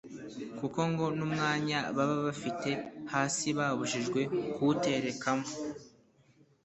kuko ngo n’umwanya baba bafite hasi babujijwe kuwuterekamo